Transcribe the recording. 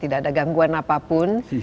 tidak ada gangguan apapun